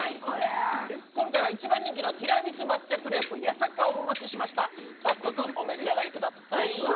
今回は一番人気のティラミス抹茶クレープ八坂をお持ちしました早速お召し上がりください